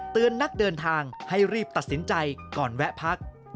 นักเดินทางให้รีบตัดสินใจก่อนแวะพัก